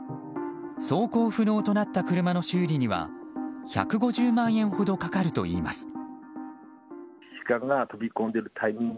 走行不能となった車の修理には１５０万円ほどかかるといいます。